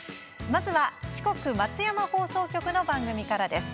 まずは、四国・松山放送局の番組から。